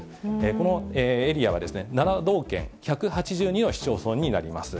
このエリアは７道県１８２の市町村になります。